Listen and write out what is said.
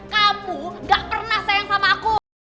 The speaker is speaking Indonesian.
kamu gak pernah sayang sama aku